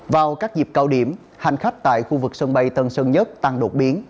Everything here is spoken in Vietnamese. vào các dịp cao điểm hành khách tại khu vực sân bay tân sơn nhất tăng đột biến